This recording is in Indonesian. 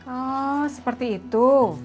oh seperti itu